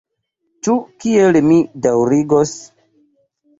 Ĉu kiel mi daŭrigos?..